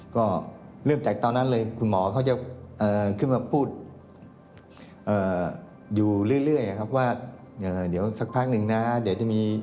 ก็เริ่มจากตอนนั้นเลยคุณหมอเขาจะขึ้นมาพูดอยู่เรื่อยครับว่า